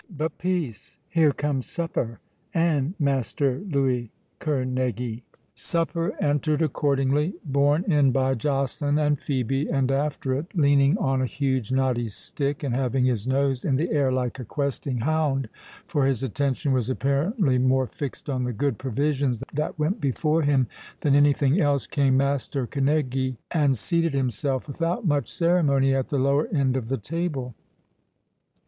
—But peace—here comes supper, and Master Louis Kerneguy." Supper entered accordingly, borne in by Joceline and Phœbe, and after it, leaning on a huge knotty stick, and having his nose in the air like a questing hound—for his attention was apparently more fixed on the good provisions that went before him, than any thing else—came Master Kerneguy, and seated himself, without much ceremony, at the lower end of the table.